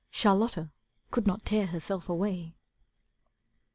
Charlotta could not tear herself away.